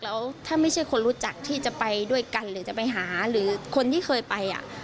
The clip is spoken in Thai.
แล้วถ้าไม่ใช่คนรู้จักที่จะไปด้วยกันหรือจะไปหาหรือคนที่เคยไป